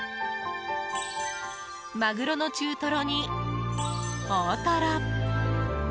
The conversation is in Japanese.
マグロの中トロに、大トロ！